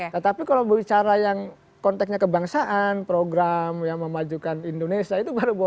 tetapi kalau bicara yang konteknya kebangsaan program yang memajukan indonesia itu baru boleh